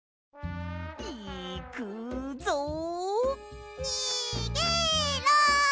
いくぞ！にげろ！